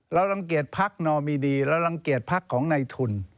รังเกียจพักนอมิดีเรารังเกียจพักของในทุน